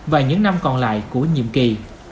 và những năm còn lại của nhiệm kỳ